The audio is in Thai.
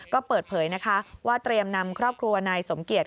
ก็เปิดเผยนะคะว่าเตรียมนำครอบครัวนายสมเกียจ